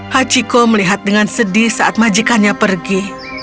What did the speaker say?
hachiko melihat dengan sedih saat majikannya pergi